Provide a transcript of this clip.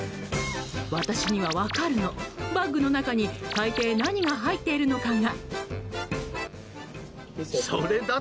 私には分かるの、バッグの中に大抵何が入っているのかが。